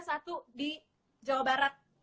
satu di jawa barat